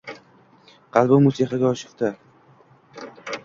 Qalbim musiqaga oshufta